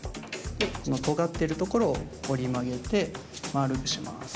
そのとがってるところをおりまげてまあるくします。